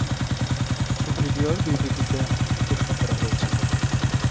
কিছু ভিডিওর বিবৃতিতে প্রশ্ন করা হয়েছে।